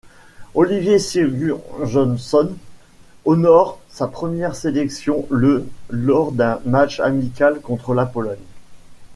Oliver Sigurjónsson honore sa première sélection le lors d'un match amical contre la Pologne.